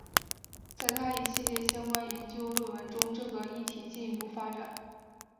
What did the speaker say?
在他一系列相关研究论文中这个议题进一步发展。